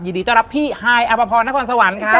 ยินดีต้อนรับพี่ฮายอับปะพอร์นครสวัสดีครับ